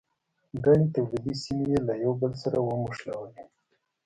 ګڼې تولیدي سیمې یې له یو بل سره ونښلولې.